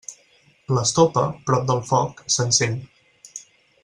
L'estopa, prop del foc, s'encén.